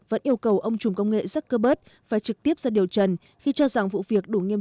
vẫn yêu cầu ông chùm công nghệ zuckerberg phải trực tiếp ra điều trần khi cho rằng vụ việc đủ nghiêm